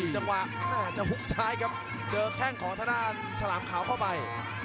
จังหวะหน้าจะฮุกซ้ายครับเจอแข่งขอธนาคารฉลามขาวเข้าไป